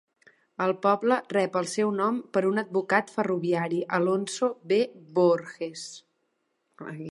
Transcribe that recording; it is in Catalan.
El poble rep el seu nom per un advocat ferroviari, Alonzo B. Voorhees.